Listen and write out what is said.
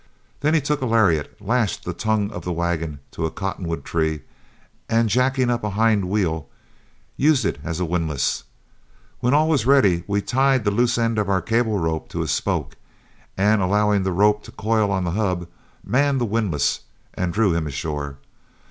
Then he took a lariat, lashed the tongue of the wagon to a cottonwood tree, and jacking up a hind wheel, used it as a windlass. When all was ready, we tied the loose end of our cable rope to a spoke, and allowing the rope to coil on the hub, manned the windlass and drew him ashore.